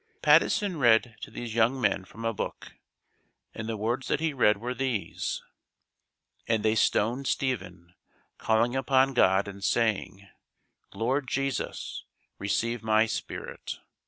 Patteson read to these young men from a Book; and the words that he read were these: "And they stoned Stephen, calling upon God and saying, 'Lord Jesus, receive my spirit.'